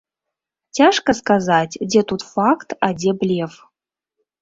Цяжка сказаць, дзе тут факт, а дзе блеф.